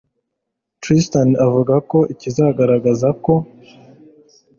Tristan avuga ko ikizagaragaza ko